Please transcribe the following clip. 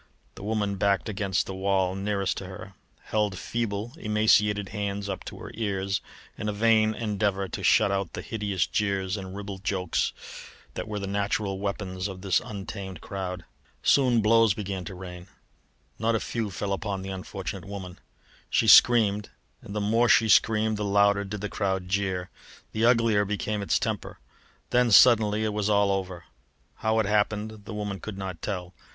The woman backed against the wall nearest to her, held feeble, emaciated hands up to her ears in a vain endeavour to shut out the hideous jeers and ribald jokes which were the natural weapons of this untamed crowd. Soon blows began to rain; not a few fell upon the unfortunate woman. She screamed, and the more she screamed the louder did the crowd jeer, the uglier became its temper. Then suddenly it was all over. How it happened the woman could not tell.